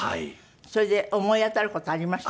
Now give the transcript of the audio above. それで思い当たる事ありました？